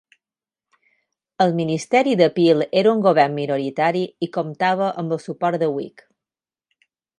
El ministeri de Peel era un govern minoritari i comptava amb el suport de Whig.